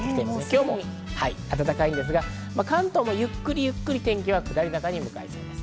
今日も暖かいんですが、関東もゆっくりと天気は下り坂に向かいそうです。